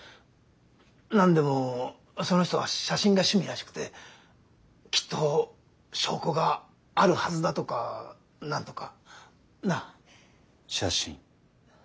何でもその人は写真が趣味らしくてきっと証拠があるはずだとか何とか。なあ？写真。